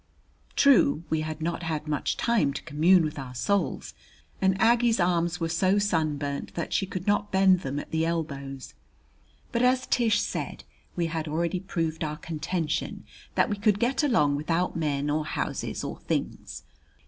True, we had not had much time to commune with our souls, and Aggie's arms were so sunburned that she could not bend them at the elbows. But, as Tish said, we had already proved our contention that we could get along without men or houses or things.